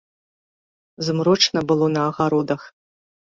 Змрочна было на агародах.